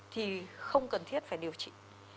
thì không cần thiết phải điều trị